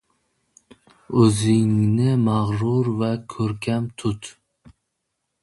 O‘zingni mag‘rur va ko‘rkam tut.